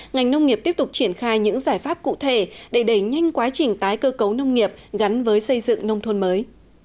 ngành nông nghiệp tiếp tục triển khai những giải pháp cụ thể để đẩy nhanh quá trình tái cơ cấu nông nghiệp gắn với xây dựng nông thôn mới